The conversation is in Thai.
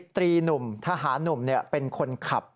๑๐ตีนุ่มถ้าหานุ่มเป็นคนขับ